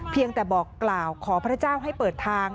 เพียงแต่บอกกล่าวขอพระเจ้าให้เปิดทาง